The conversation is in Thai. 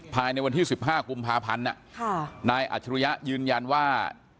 ภายในวันที่๑๕กุมภาพันธ์นายอัจฉริยะยืนยันว่า